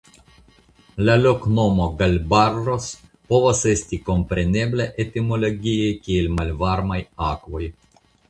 La loknomo "Galbarros" povas esti komprenebla etimologie kiel Malvarmaj Akvoj.